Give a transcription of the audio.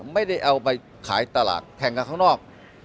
ไม่ได้เอาไปขายตลาดแข่งกันข้างนอก